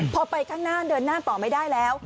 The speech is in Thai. พอไปข้างหน้าเดินหน้าต่อไม่ได้แล้ว